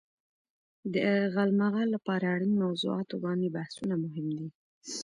د غالمغال لپاره اړين موضوعات باندې بحثونه مهم دي.